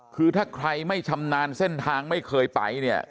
คือถ้าใครไม่ชำนาญเส้นทางไม่เคยไปเนี่ย